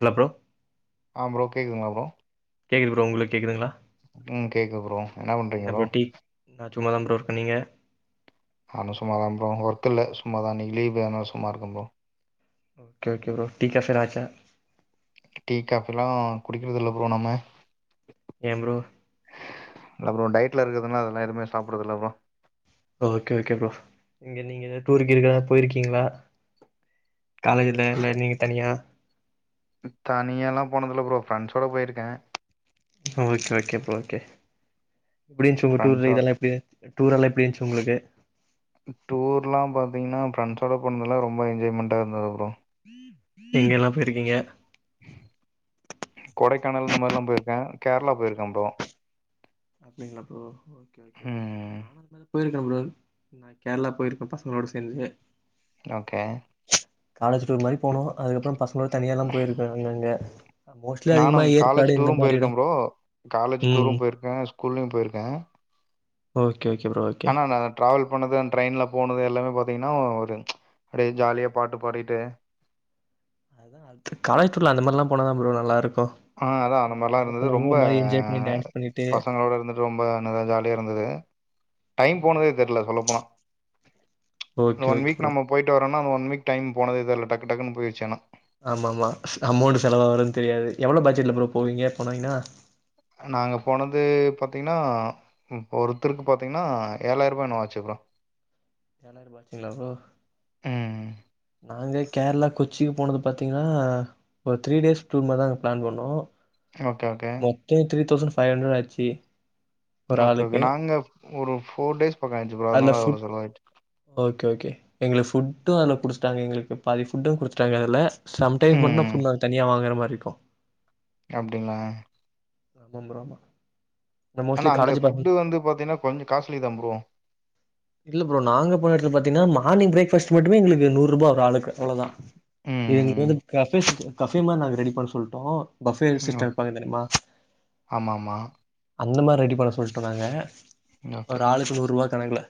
Hello bro ஆ bro கேகுதுங்ளா bro கேக்குது ப்ரோ உங்களுக்குகேக்குதுங்ளா உம் கேக்குது ப்ரோ என்ன பண்றீங்க ப்ரோ டீ நா சும்மாதா இருக்க ப்ரோ நீங்க நா சும்மாதா ப்ரோ ஒர்க் இல்ல சும்மாதா இன்னக்கு லீவு அதனால சும்மா இருக்கு bro okay okay bro tea காசடா ஆச்சா டீ காபி எல்லா குடிக்கிறது இல்ல ப்ரோ நம்ம ஏ ப்ரோ இல்ல ப்ரோ டயட்ல இருக்குதுனா அதெல்லா எதுமே சாப்றதுல இல்ல ப்ரோ ஓகே ஓகே ப்ரோ இங்க நீங்க ஏத டூருக்கு இருக்கதாது போயிருக்கீங்ளா காலேஜில இல்ல நிங்க தனியா தனியா எல்லா போனதுல ப்ரோ ஃப்ரெண்ட்ஸோட போயிருக்க ஓகே ஓகே ப்ரோ ஓகே எப்டிச்சி உங்க டூர்ல ஃப்ரெண்ட்ஸோட இதெல்லா எப்டி டூர் எல்லா எப்டி இருந்துச்சி உங்களுக்கு டூர்லா பத்தீங்கன்னா ஃப்ரெண்ட்ஸோட போனது எல்லா ரொம்ப என்ஜாய்மெண்ட்டா இருந்தது அப்ரோ எங்கெல்லா பேயிருக்கீங்க கொடைக்கானல் இந்த மாரி எல்லா போயிருக்க கேரளா போயிருக்க அப்ரோ அப்டிங்களா ப்ரோ ஓகே ஓகே ப்ரோ ம் போயிருக்க பாரோ நா கேரளா போயிருக்க பசங்களோடு சேந்து ஓகே காலேஜ் டூர் மாரி போனோ அதுக்கப்றோ பசங்களோட தனியா எல்லா போயிருக்க அங்கங்க மோஸ்ட்லி நானு அதிகமா காலேஜ் ஏற்காடு இந்த டூரு மாரி போயிருக்க எடோ ப்ரோ காலேஜ் ம் டூரு போயிருக்க ஸ்கூல்லியு போயிருக்க ஓகே ஓகே ப்ரோ ஓகே ஆனா நல் ட்ராவல் பண்ணது அந்த ட்ரெயின்ல போனது எல்லாமே பாத்திங்கன்னா ஒரு அப்டியே ஜாலியாக பாட்டு பாடிட்டு அதா அது காலேஜ் டூர்ல அந்த மாரிலா போனா தா ப்ரோ நல்லா இருக்கு ஆ அதா அந்த மாரிலா இருந்தது ரொம்ப பண்ணி டான்ஸ் பண்ணிட்டு பசங்களோட இருந் ரொம்ப நல்லா ஜாலியா இருந்தது டைம் ம் போனதே தெரில சொல்ல போனா அந்த okay one okay week bro நம்ம போயிட்டு வரோனா அந்த ஒன் வீக் டைம் போனதே தெரில டக்கு டக்குன்னு போயிடுச்சு ஆனா ஆமா ஆமா அமௌண்ட் செலவாவுறது தெரியாது எவ்ளோ பட்ஜெட்ல ப்ரோ போவீங்க போனிங்ன்னா நாங்க போனது பாத்திங்கன்னா ம் ஒருத்தருக்கு பாத்தீங்கன்னா ஏழாயிரூவா என்னுவோ ஆச்சீ ப்ரோ எல்லாரயு பாத்தீங்ளா ப்ரோ ம் நாங்க கேரளா கொச்சிக்கு போனது பாத்தீங்கன்னா ஒரு த்ரீ டேஸ் டூர் மாரிதா பிளான் பண்ணோ okay okay two three thousand five hundred ஆச்சி ஓகே ஓகே நாங்க ஒரு ஃபோர் டேஸ் பக்கோ ஆயிடிச்சி ப்ரோ அதுல அதுனால ஃபுட் அவ்ளோ செலவ் ஆயிடுச்சு ஓகே ஓகே எங்ளுக்கு ஃபுட்டு அதுல புடிச்சிடாங்க எங்களுக்கு பாதி ஃபுட்டு குடுத்துட்டாங்க அதுல சம்டைம் ஃபுட்னா ம் ஃபுல்லா தனியா வாங்குற மாரி இருக்கு அப்டிங்ளா ஆமா ப்ரோ நா ஆனா மோஸ்ட்லி அங்க காலேஜ் பாத்தீங் ஃபுட்டு வந்து பாத்தீங்கன்னா கொஞ்சோ காஸ்ட்லி தா ப்ரோ இல்ல ப்ரோ நாங்க போன எடத்துல பாத்திங்கன்னா மார்னிங் பிரேக் ஃபாஸ்ட் மட்டுமே எங்களுக்கு நூறுபா ஒரு ஆளுக்கு அவ்ளோ தா ம் எங்களுக்கு வந்து கஃபே கஃபே மாரி நாங்க ரெடி பண்ண சொல்டோ பஃபே ம். சிஸ்டம் வப்பாங்க தெரியுமா ஆமாமா. அந்த மாரி ரெடி பண்ண சொல்லிட்டோ நாங்க ஓகே. ஒரு ஆளுக்கு நூற்வா கணக்குல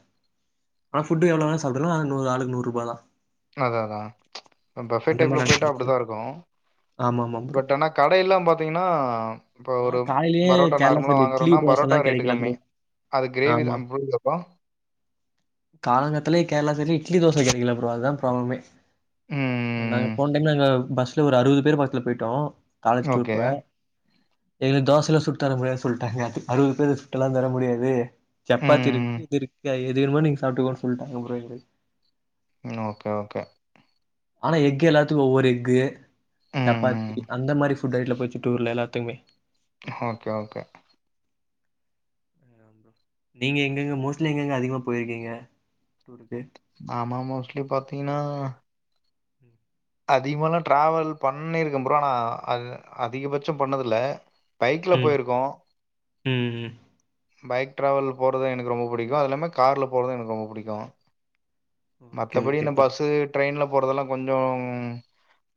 ஆனா ஃபுட் எவ்ளோ வேனா சாப்டுகளா ஆனா ஆளுக்கு நூறு ரூபா தா அதா அதா பஃபே அந்த மாரி டைப்ல நாங்க பெயிட்டா பண்ண அப்டிதா சொல்ட்டோ. இருக்கு ஆமா அம் பட் ஆனா கடை எல்லா பாத்தீங்கன்னா இப்ப ஆனா ஒரு காலையிலயே பரோட்டா கேரளா நார்முலா சைடுல இட்லி வாங்கறோனா தோசல்லா பரோட்டா ரேட் கெடைக்கல ப்ரோ கம்மி அது கிரேவி தா [unintelligible] காலங் காத்தாளே இட்லி தோச கெடைக்கில ப்ரோ அதுதா ப்ராப்ளமே நாங்க ம். போன டைம்லங்க பஸ்ல ஒரு அறுவது பேர் பஸ்ல போயிட்டோ காலேஜ் டூர் ஓகே. போற எங்ளுக்கு தோசயல்லா சுட்டு தர முடியாதுனு சொல்ட்டாங்க அறுவது பேர் சுட்டெல்லா தர முடியாது சப்பாத்தி ம். இருக்கு இது இருக் இங்க எது வேனுமோ நீங்க சாப்பிட்டுக்கோனு சொல்ட்டாங்க ப்ரோ எங்ளுக் ம் ஓகே ஓகே ஆனா எஃக் எல்லாத்துக்கு ஒவ்வொரு எஃக் ம். சப்பாத்தி அந்த மாரி ஃபுட் ஃபுட் டைட்ல போயிடுச்சு எல்லாத்துக்குமே ஓகே ஓகே நீங்க எங்கெங்க மோஸ்ட்லி எங்கெங்க அதிகமா போயிருக்கீங்க டூருக்கு ஆமா நா மோஸ்ட்லி பாத்தீங்ன்னா அதிகமால்லா ட்ராவல் பண்ணியிருக்கே ப்ரோ நா அதிகபட்சோ பண்ணதில்ல பைக்ல ம் போயிருக்கோ ம் ம் பைக் ட்ராவல் போறது எனக்கு ரொம்ப பிடிக்கு அது இல்லாம காரில போறது எனக்கு ரொம்ப பிடிக்கு ஓகே மத்தபடி ஓகே இந்த ப்ரோ பஸ்ஸூ ட்ரெயின்ல போறதெல்லா கொஞ்சோ உம்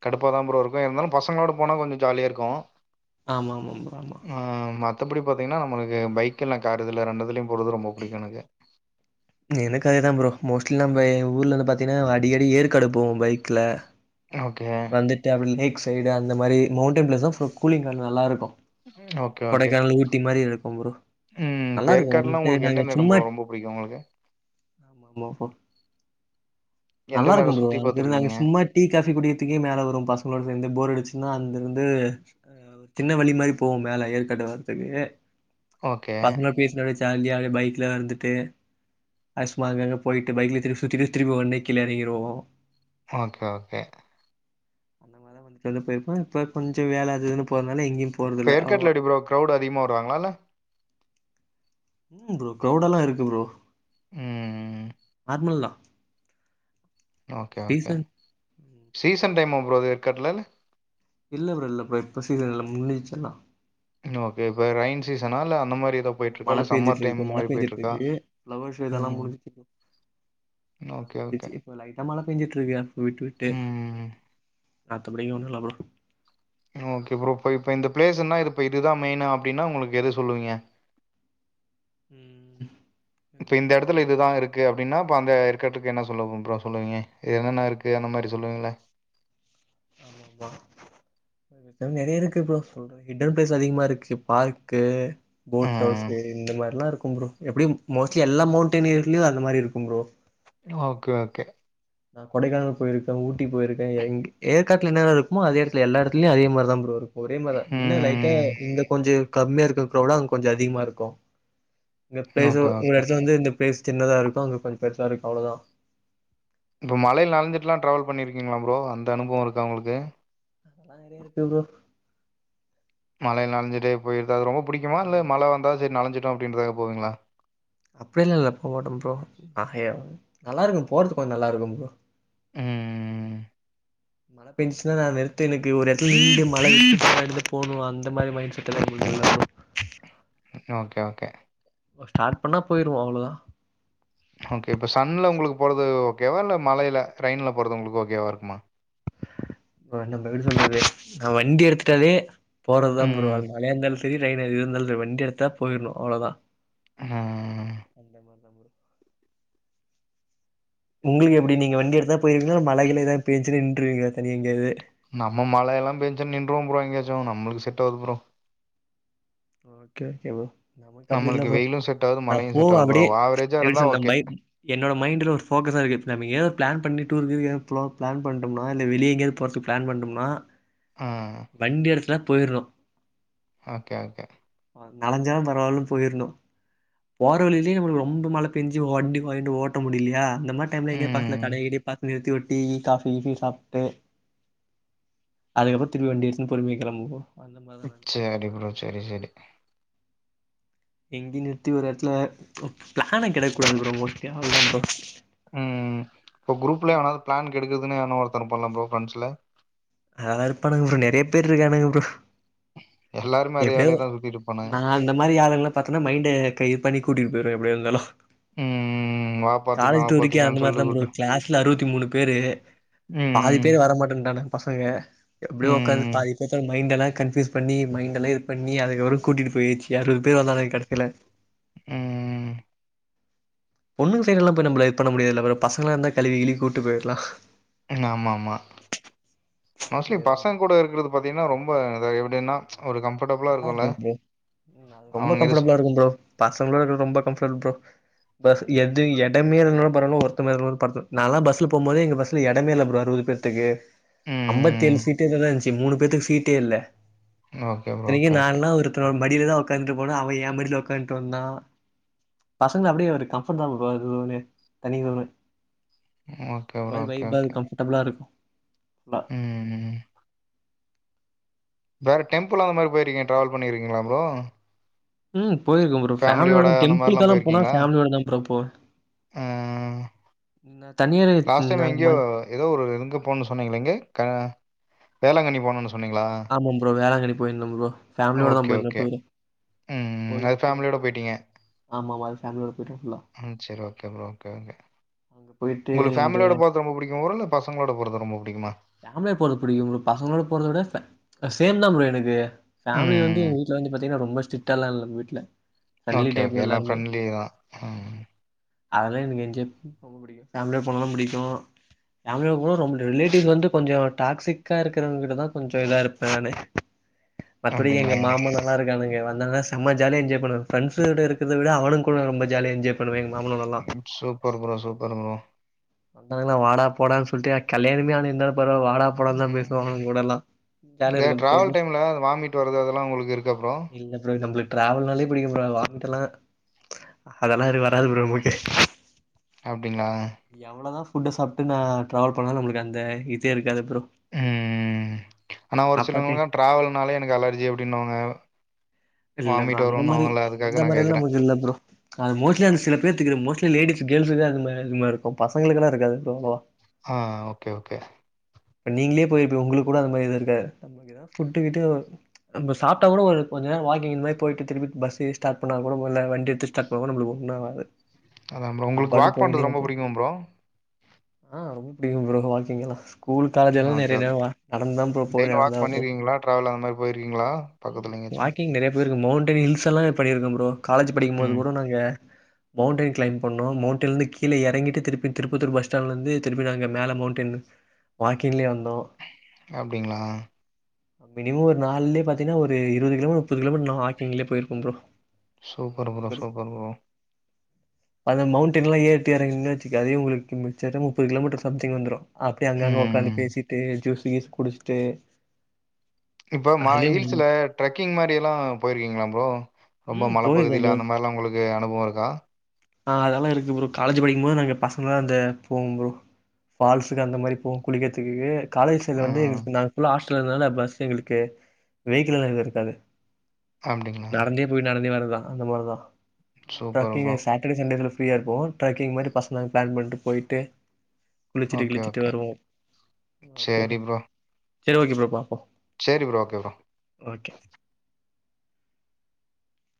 கடுப்பா தா ப்ரோ இருக்கு இருந்தாலு பசங்களோட போனா கொஞ்சோ ஜாலியா இருக்கு ஆமா ஆமா ப்ரோ ஆமா ஆஹ் [unintelligible] மத்தபடி பாத்தீங்கன்னா நம்ளுக்கு பைக் இல்ல கார் இதில ரெண்டுதுலையு போறது ரொம்ப புடிக்கு எனக்கு எனக்கு அதேதா ப்ரோ மோஸ்ட்லி நம்ம எ ஊர்லருந்து பாத்தீங்கன்னா அடிக்கடி ஏற்காடு போவொ பைக்ல ஓகே வந்துட்டு அப்படி லேக் சைடு அந்த மாரி மவுண்டன் பிளெஸ் கூலிங் நல்லா இருக்கு ஓகே ஓகே கொடைக்கானல் ஊட்டி மாரி இருக்கு ப்ரோ ம் இப்ப நல்லா இருக்கு ஏற்காட்லா வந்துட்டு உங்களுக்கு நாங்க எந்தெந்த எடம் சும்மா ப்ரோ ரொம்ப புடிக்கு உங்களுக்கு நல்லா எந்தெந்த இருக்கு எடோ ப்ரோ சுத்தி அங்க இருந்து அங்க பாத்துருக்கீங்க சும்மா டீ ஃகாபி குடிக் கிறதுக்கே மேல வரு பசங்களோட சேந்து போரடிச்சுன்னா அந்தந்து சின்ன வலி மாரி போவு மேல ஏற்காடு வர்ரதுக்கு ஓகே பசங் பேசினு அப்டியே ஜாலியா பைக்ல வந்துட்டு ஐஸ் பார்க் அங்க ங்க பொயிட்டு பைக்ல திரும்பி சுத்திட்டு திரும்பி ஒடனெ எறங்கிடுவோ ஓகே ஓகே ரெண்டு பேருமெ போயிருக்கோ இப்ப கொஞ்சோ வேல அது இதுன்னு போறனால எங்கயு இப்ப ஏற்காட்ல எப்டி ப்ரோ க்ரௌட் அதிகமா வருவாங்களால்ல ம் ப்ரோ க்ரௌடெல்லா இருக்கு ப்ரோ உம் உம் மில்னா ஓகே ஓகே சீசன் டைம் ஆ ப்ரோ ஏற்க்காட்ல இல்ல ப்ரோ இல்ல ப்ரோ இப்போ சீசனில்ல முன்சிச்சு ன்னா ஓகே இப்ப ரைன் சீசனா இல்ல அந்த மாரி ஏதோ ஆமா போயிட்ருக்கா மழ இல்ல சம்மர் டைம் பெஞ்சிட்டுருக்கு மழ மாரி போயிட்ருக்கா பெஞ்சிட்டுருக்கு ப்ளவர் ஷோ இதல்லா ம் முடிஞ்சு ஓகே ஓகே முடிஞ்சு இப்ப லைட்டா மழ பெஞ்சிட்டு இருக்கு விட்டு விட்டு ம் மத்தபடி இங்க ஒன்னுல ப்ரோ ஓகே ப்ரோ இப்ப இப்ப இந்த பிளேஸ் ன்னா இப்ப இதுதா மெய்னா அப்டின்னா உங்கள்க்கு எது சொல்லுவீங்க உம் இப்ப இந்த எடத்துல இதுதா இருக் கு அப்படின்னா அப்ப அந்த ஏற்காட்டுக்கு என்ன சொல்லவு ப்ரோ சொல்லுவீங்க என்னென்ன இருக்கு அந்த மாரி சொல்லுவீங்கள ஆமா ப்ரோ நெறைய இருக்கு ப்ரோ சொல்றதுக்கு ஹிடன் பிளேஸ் அதிகமா இருக்கு பார்க்கு போட் ம் ஹவுஸு இந்த மாரிலா இருக்கு ப்ரோ எப்டியு மோஸ்ட்லி எல்லா மவுண்டன் ஏயர்லயு அந்த மாரி இருக்கு ப்ரோ ஓகே ஓகே நா கொடைக்கானல் போயிருக்கே ஊட்டி போயிருக்கே எ ஏற்காட்ல என்னனருக்குமோ அதே எடத்துல எல்ல எடத்துலயு அதே மாரிதா ப்ரோ இருக்கு ஒரே மாரிதா என்ன லைட்டா ம் இங்க கொஞ்ச கம்மியா இருக்க க்ரௌடு அங்க கொஞ்ச அதிகமா இருக்கு இங்க பிளேஸ் ஓகே ஒரு ஓகே இடத்துலவந்து பிளேஸ் சின்னதா இருக்கு அங்க கொஞ்சோ பெருசா இருக்கு அவ்ளோதா இப்போ மலையில நடந்துட்டுலா ட்ராவல் பண்ணிருக்கீங்களா ப்ரோ அந்த அனுபவம் இருக்கா உங்கள்க்கு அதெல்லா நெறையா இருக்கு ப்ரோ மழைல நன்ஞ்சிட்டே போயிருது அது ரொம்ப பிடிக்குமா இல்ல ம். மழ வந்தா சரி நனஞ்சிட்டு அப்டின்றதனால போவீங்களா அப்படில்லால்ல போமாட்டே ப்ரோ நல்லா இருக்கு போறதுக்கு கொஞ்சோ நல்லா இருக்கு ப்ரோ ம் மன பின்ஸுல நா நிறுத்தி இருக்கு ஒரு எட்த்துல [inaudible] ஈடு மலை [unintelligible] எடத்து போனு அந்த மாரி மைண்ட் செட் எல்லா [unintelligible] ஓகே ஓகே ஒ ஸ்டாட் பண்ணா போய்ர்வோ அவ்ளதா ஓகே இப்ப சன்ல உங்களுக் போறது ஓகேவா இல்ல மலைய்ல ட்ரெயின்ல போறது உங்களுக்கு ஓகேவா இருக்குமா ப்ரோ என்ன ப்ரோ எப்டி சொல்றது நா வண்டி எடுத்துட்டாலே போறதுதா ப்ரோ ம் அது மழையாந்தாலு ஸ் திரி ட்ரைனு அது இருந்தால்ஸோ வண்டி எடுத்தா போய்ர்ணு அவ்ளதா ம் எமா தம்ரு உங்குள்க்கு எப்டி நீங்க வண்டி எடுத்தா போய்ர்வீங்ளா இல மலைல எதா பேஞ்சுது நின்றுவீங்லா தனியா எங்யாது நம்ம மழ எல்லா பெஞ்ச நின்றுவோம் ப்ரோ எங்கயாச்சு நம்ளுக்கு செட்டாவ்து ப்ரோ ஓகேகே போ நமக்கு அப்டி இல்ல நம்மளுக்கு ப்ரோ வெயிலு செட் ஆவாது நா மழையு போவ செட் ஆவாது ப்ரோ அப்டி ஆவரேஜா எப்டி இருந்தா சொன்னம் ஓகே பை என்னோட மைண்டுல ஒரு ஃபோக்கஸா இக்குத் நம்ம ஏஓ ப்ளான் பண்ணி டூரு கீறு ஏழ் ப்லோ ப்ளான் பண்றோம்னா இல்ல வெளி எங்யாவ் போற்ஸுக் ப்ளான் பண்டும்னா ஆ வண்டி எடத்துல பொய்றோ ஆகே ஓகே வன் நளஞ்சாலு பரவாயில்லன் போய்ர்ணு போற வழியிலே நம்ளுக்கு ரொம்ப மழ பெஞ்சி வண்டி வாய்ன்ட்டு ஓட் ட்ட முடில்யா அந்த மார் டைம்ல எங்யாவ் ம் பாக்த்ல கட கிடே பாத்து நிறுத்திவுட் டீ காஃபி ஃபி சாப்ட்டு அதுக்கப்புற் திரும்பி வண்டி இட்ச்சுனு பொறும்யாக்குறே போ அந்த மார்தன ச்சேரி ப்ரோ செரி செரி எங்கி நிறுத்தி ஒர் யட்த்துல ஒ ப்ளான கெடுக் கூடாதும் ப்ரோ மொட்யா விடா ப்ரோ ம் பொ க்ரூப்ல எவனாவ்து ப்ளான் கெடுக்குதுன்னு எவனா ஒருத்த இர்ப்பால்ல ப்ரோ ஃப்ன்ச்ல அதா இருப்பானுங்க ப்ரோ நெறையா பேர் இருக்கானுங்க ப்ரோ எல்லாருமே அதே எப்டியவ் வேலைய தா சுத்திட்டு இருப்பானுங்க நா அந்த மாரி ஆளுங்கல்லா பாத்தனா மைண்டே க இத் பண்ணி கூட்டிட்டு போய்று எப்டியா இருந்தாலு ம் ம் காலேஜ் டூர்கே அந்த மாரிதா ப்ரோ கிளாஸ்ல அறுவத்தி மூணு பேரே பாதி ம் பேர் வரமாட்டன்ட்டானுங் பசங்க எப்டியோ உக்காந்து ம் பாதி பேர்த்த மைண்டல்லா கன்ஃப்யூஸ் பண்ணி மைன் எல்லா இது பண்ணி அதுகப்றோ கூட்டிட்டு போயிச்சி அறுவது பேர் வந்தாலு ஏ கடசில ம்ம் பொண்ணுங் சைட் எல்லாம் போய் நம்ப்ல இது பண்ண முடியாத் இல்லவு பஸ்ஸுங்களா இருந்தா கழுவி கிழிவ் கூட்டு போய்ர்லா ம் ஆமாமா பாஸ்லி பசங் கூட இருக்குற்து பாத்தீங்கன்னா ரொம்ப தே எப்டின்னா ஒரு கம்ப் நல்லார்க்கு ப்ரோ ம் நால் ரொம்ப அவனுங்க இரு கஃபர்டபுளா இருக்கும் ப்ரோ பசங்கலோட இருக்குற்து ரொம்ப கம்ஃபள் ப்ரோ பஸ் எது இடமே இல் நான்கு பரனு ஒர்த்து மேல் ஒரு பத்து நாலா பஸ்ல போம்போதே எங்க பஸ்ல எடமேல ப்ரோ அறுவது பேர் துகு அம்பத்தி ம் ஏழ் சீட்டெதனா இன்ச்சி மூணு பேத்துக் சீட்டே இல்ல ஆ இத்தனிக்கி நான்லா ஒருத்தனோட் மடில தா உக்காந்துட்டு போன அவன் யெ மடில உக்காந்ட்டு வந்தா பசங்கள அப்டியே ஒரு கம்ஃபட் தா ப்ரோ அதுவுமே தனி கவ்னு ஓகே ஒ ப்ரோ. மாரி ஓகே, வைபாரு கம்ஃபுடபுளா இருக்கு லா ம்ம்ம் வேற டெம்புலா அந்த மாரி போய்ரிக்கீ ட்ராவல் பண்ணிருக்கீங்களா ப்ரோ ம் போயிருக்கு ப்ரோ ஃபேமிலியோட ஃபேமிலியோடான அந்த டெம்பிளுக்கு மாரிலாம் கெல்லா போனா போயிருக்கீங்களா? ஃபேமிலியோட தா ப்ரோ போவ அ ந தனியரை லாஸ்ட் இந்த டைம் எங்கேயோ மாரி ஏதோ ஒரு இங்க போனு சொன்னீங்கள எங்க க வேளாங்கண்ணி போனுனு சொன் சொன்னீங்ளா ஆமா ப்ரோ வேளாங்கணி போய் ருந்தோ ப்ரோ ஃபேமலியோட தா ஓகே, போய்ருந்த ஓகே. ப்ரோ ம் ம் அது ஃபேமிலியோட போய்டிட்டீங்க ஆமா ஆமா அது ஃபேமிலியோட போயிட்டே ஃபுல்லா ம் சேரி ஓகே ப்ரோ ஓகே ஓகே அங்க போயிட்டு உங்களுக்கு இந்த ஃபேமிலியோட போறது ரொம்ப புடிக்குமப்ரோ இல்ல பசங்களோட போறது ரொம்ப புடிக்குமா ஃபேமிலியா போறது புடிக்கு ப்ரோ பசங்களோட போறத விட ஃபே சேம் தா ப்ரோ எனக்கு ஃபெமிலி வந்து ம். எங்க வீட்டுல வந்து பாத்தீங்கன்னா ரொம்ப ஸ்ட்ரிக்டாலா இல்ல எங்க வீட்டுல ஓகே ஓகே எல்லா ஃப்ரெண்ட்லி தா ம் அதுல தா எனக்கு என்ஜம் பேமிலி ஓட போன தா புடிக்கு பேமிலி போம்போது ரிலேட்டிவ்ஸ் வந்து கொஞ்சோ டாக்சிக்கா இருக்கிறவங்க கிட்ட தா கொஞ்சோ இதா இருப்பே நானு மத்தபடி எங்க அப்டிங்களா? மாமனா எல்லா இருக்கானுங்க வந்தாலா செமா ஜாலிய என்ஜாய் பண்ணுவஃப்ரண்ட்ஸட இருக்கத விட அவனுங் கூட ரொம்ப ஜாலிய என்ஜாய் ப பன்னுவேங் மாம்பழதா சூப்பர் ப்ரோ சூப்பர் ப்ரோ வந்தாங்கான வாடா போடான் சொல்ட்டு கல்யாணமே ஆனா இந்த பரவால்ல வாடா போடான் தா பேசுவாங்க ம். எங் கூடலா ஜாலியா இந்த இருக்கும் டிராவல் போய்ட்டு டைமில் வாமிட் வர்றது அதெல்லாம் உங்களுக்கு இருக்கா ப்ரோ இல்ல ப்ரோ நம்ளுக் டிராவல் நல்லையே புடிக்கும் ப்ரோ வாமிட்டெல்லா அதெல்லா என்கு வராது ப்ரோ நமக்கு அப்டிங்களா எவ்ளதா புஃட்டு சாப்ட்டு நா டிராவல் பண்ணாலு நம்மளுக்கு அந்த இதே இருக்காது ப்ரோ ம் ஆனா ஒரு அப்பாட்டே சிலவ்ங்க டிராவல்னாலே எனக்கு அலர்ஜி அப்டின்னுவாங்க இல்ல ப்ரோ அந்த மாரி அதுக்காக அந்த நான் மாரி எல்லா கேட்குறேன் முஞ்சல்ல ப்ரோ அது மோஸ்ட்லி அந்த சில பேத்துக்கு இது மோஸ்ட்லி லேடிஸ் கேள்ஸுகு அது மாரி இருகு பாரு பசங்களுக்குல்ல இருகாது ஆ ஓகே ஓகே நீங்களே போயிருப்ப உங்களுக்கு கூட அந்த மாரி எதுவு இருக்காரு புட்டு கிட்டு நம்ப சாப்ட்டா கூட ஒரு கொஞ்ச நேரோ வாக்கிங் இந்த மாதி போயிட்டு திருப்பி பஸ்டே ஸ்டாட் பண்ணா கூட மொல வண்டி எடுத்து ஸ்டார்ட் பன்னம்போது நம்பளுக்கு ஒண்ணு ஆகாது அதா ப்ரோ நம் உங்களுக்கு பாட்டுக்கு வாக் பண்றது போய்கினே ரொம்ப இருப்போ புடிக்கும ப்ரோ ஆ ரொம்ப புடிக்கும்ப்ரோ வாக்கிங்களா ஸ்கூல் காலேஜ் எல்லா ம் ஓகே நிறய ஓகே நேரவா நடந்து தாப்றோ போவ டெய்லி நடந்துதா வாக் வர்வ பண்ணியிருக்கீங்களா ட்ராவல் அந்த மாதிரி போயிருக்கீங்களா பக்கத்தில் எங்கேயாச்சும் வாக்கிங் நிறைய பேருக்கு மவுண்டன் ஹில்ஸ் எல்லா பண்ணிருக்க ப்ரோ காலேஜ் படிக்கும்போது ம் கூட நாங்க மவுண்டென் க்ளைம் பண்ணோ மவுண்டென்ல இருந்து கீழ எறங்கிட்டு திருப்பி திருப்பத்தூர் பஸ் ஸ்டாண்ட்ல இருந்து திருப்பி நாங்க மேல மவுண்டெய்ன்ல வாக்கிங்லே வந்தோ அப்டிங்களா மினிமோ ஒரு நாலேய பாத்தீங்ன்னா ஒரு இருவது கிலோமீ முப்பது கிலோமீட்டர் நா வாக்கிங்லே போயிருப்போ bro super bro super bro அந்த மவுண்டன்லா ஏறிட்டு இறங்குங்க அதே உங்களுக்கு எக்ஜாஜ முப்பது கிலோமீட்டர் சம்திங் வந்துரு அப்டியே அங்கங்க உக்காந்து ம் பேசிட்டு ஜூஸ் கீஸ் குடுச்சுட்டு இப்ப மா ஹில்ஸ்ல ட்ரெக்கிங் மாரி எல்லா போயிருக்கீங்களா ப்ரோ ரொம்ப ம் போயிருக்கே ப்ரோ மலப்பகுதியில அந்த மாரில்லா உங்களுக்கு அனுபவோ இருக்கா ஆ அதெல்லா இருக்கு ப்ரூ காலேஜ் படிக்கும்போது நாங்க பசங்களா அந்த போகும்போ ஃபால்ஸுக்கு அந்த மாரி போவோ குளிக்குறதுக்கு காலேஜ் சைல வந்து ம் எங்களுக்கு நாங்கஃபுல்லா ஹாஸ்டல இருந்ததால பஸ் எங்களுக்கு வெஹிகள் எல்லா எது இருக்காது அப்படிங்களா நடந்தே போயி நடந்தே வர்றதுதா அந்த மார்தா சூப்பர் ட்ரெக்கிங் ப்ரோ. சாட்டர்டே சண்டேஸ்ல ஃப்ரீயா இருப்போ ட்ராக்கிங் மாரி பசங்க பிளான் பண்ணிட்டு போயிட்டு குளிச்சிட்டு ஓகே, கிளிச்சிட்டு ஓகே. வருவோ ஓகே சரி ப்ரோ செரி ஓகே ப்ரோ பாப்போ செரி ப்ரோ ஓகே ப்ரோ ஓகே